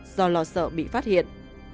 do lo sợ bị phát hiện